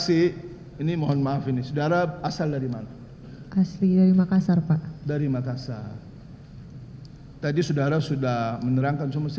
sebagai orang tua abang kakak